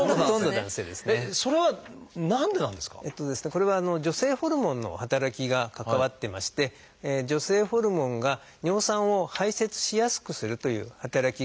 これは女性ホルモンの働きが関わってまして女性ホルモンが尿酸を排せつしやすくするという働きがあるんですね。